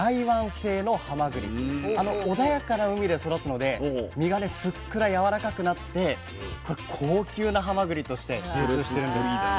穏やかな海で育つので身がふっくらやわらかくなって高級なハマグリとして流通してるんです。